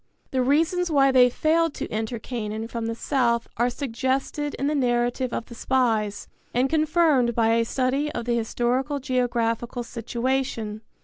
The reasons why they failed to enter Canaan from the south are suggested in the narrative of the spies and confirmed by a study of the historical geographical situation.